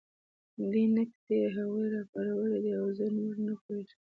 دې نکتې هغوی راپارولي دي او زه نور نه پوهېږم